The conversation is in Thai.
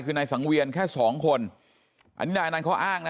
คือนายสังเวียนแค่สองคนอันนี้นายอนันต์เขาอ้างนะ